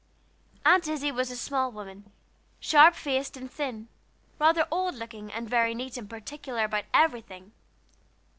Aunt Izzie was a small woman, sharp faced and thin, rather old looking, and very neat and particular about everything.